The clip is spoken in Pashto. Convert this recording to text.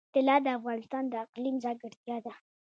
طلا د افغانستان د اقلیم ځانګړتیا ده.